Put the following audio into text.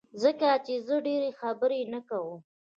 ځکه چي زه ډيری خبری نه کوم